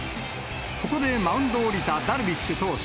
ここでマウンドを降りたダルビッシュ投手。